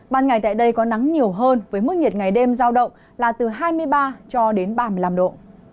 ban ngày tại đây có nắng nhiều hơn với mức nhiệt ngày đêm giao động là từ hai mươi ba cho đến ba mươi năm độ